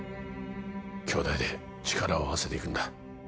兄弟で力を合わせていくんだ。